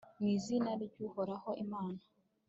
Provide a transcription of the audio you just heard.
mu izina ry'uhoraho imana